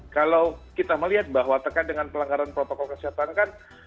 kalau kita melihat bahwa terkait dengan pelanggaran protokol kesehatan kan